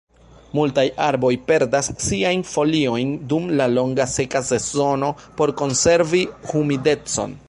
Multaj arboj perdas siajn foliojn dum la longa seka sezono por konservi humidecon.